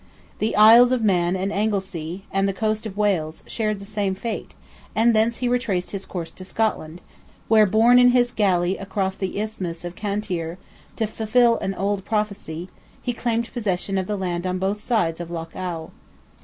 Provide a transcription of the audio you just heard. The Isles of Man and Anglesea, and the coast of Wales, shared the same fate, and thence he retraced his course to Scotland, where, borne in his galley across the Isthmus of Cantyre, to fulfil an old prophecy, he claimed possession of the land on both sides of Loch Awe.